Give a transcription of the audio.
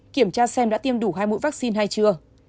kiểm tra xem đã tiêm đủ hai mũi vaccine hay chưa